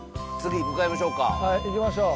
はい行きましょう。